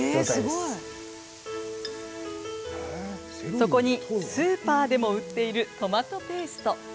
そこにスーパーでも売っているトマトペースト。